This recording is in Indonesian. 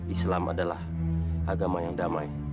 islam adalah agama yang damai